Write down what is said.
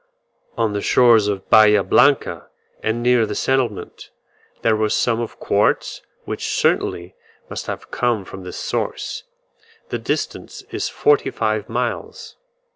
On the shores of Bahia Blanca, and near the settlement, there were some of quartz, which certainly must have come from this source: the distance is forty five miles.